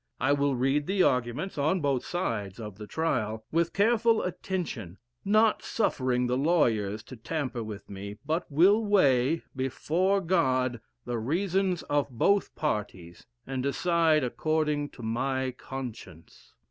I will read the arguments on both sides of the trial, with careful attention, not suffering the lawyers to tamper with me; but will weigh, before God, the reasons of both parties, and decide according to my conscience.